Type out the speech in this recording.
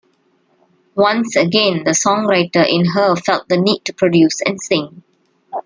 Once again the songwriter in her felt the need to produce and sing.